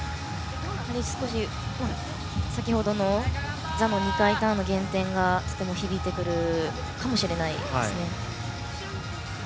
少し先程の座の２回ターンの減点がとても響いてくるかもしれないですね。